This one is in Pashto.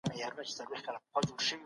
موږ به دا هڅه تر پایه جاري ساتو.